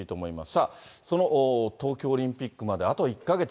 その東京オリンピックまであと１か月。